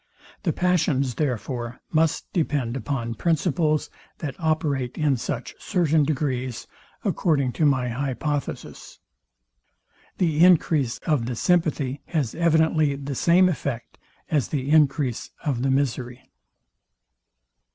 The passions, therefore, must depend upon principles, that operate in such certain degrees, according to my hypothesis. The encrease of the sympathy has evidently the same effect as the encrease of the misery.